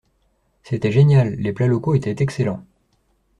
C'était génial, les plats locaux étaient excellents.